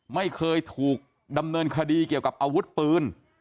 ไม่เคยถูกดำเนินคดีเกี่ยวกับอาวุธปืน